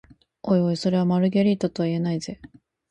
おいおい、それはマルゲリータとは言えないぜ？